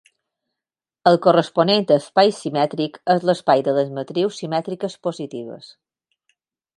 El corresponent espai simètric és l'espai de les matrius simètriques positives.